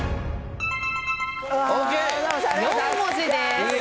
４文字です。